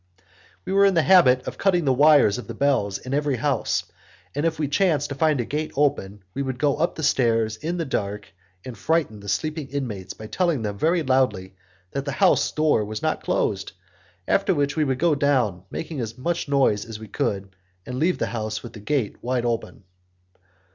We were in the habit of cutting the wires of the bells in every house, and if we chanced to find a gate open we would go up the stairs in the dark, and frighten the sleeping inmates by telling them very loudly that the house door was not closed, after which we would go down, making as much noise as we could, and leave the house with the gate wide open.